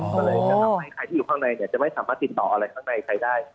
ก็เลยจะทำให้ใครที่อยู่ข้างในจะไม่สามารถติดต่ออะไรข้างในใครได้